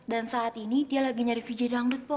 dan saat ini dia lagi nyari vijay dangdut po